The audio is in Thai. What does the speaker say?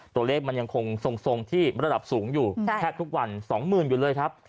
ตัวเลขมันยังคงทรงทรงที่ระดับสูงอยู่แค่ทุกวันสองหมื่นอยู่เลยครับ